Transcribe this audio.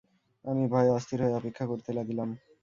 আমি ভয়ে অস্থির হয়ে অপেক্ষা করতে লাগিলাম।